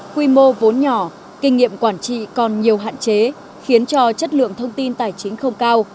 quy mô vốn nhỏ kinh nghiệm quản trị còn nhiều hạn chế khiến cho chất lượng thông tin tài chính không cao